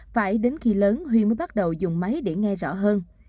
phải đến khi lớn huy mới bắt đầu dùng máy để nghe rõ hơn